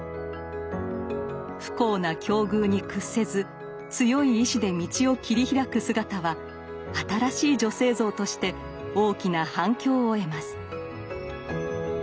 不幸な境遇に屈せず強い意志で道を切り開く姿は新しい女性像として大きな反響を得ます。